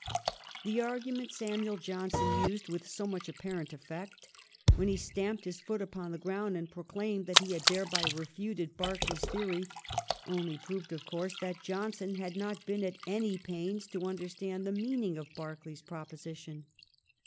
The argument Samuel Johnson used with so much apparent effect when he stamped his foot upon the ground and proclaimed that he had thereby refuted Berkeley's theory, only proved of course that John son had not been at the pains to understand the meaning of Berkeley's proposition.